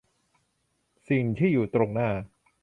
สิ่งที่อยู่ตรงหน้า